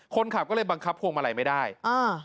คนขับก็เลยบังคับพวงมาลัยไม่ได้อ่า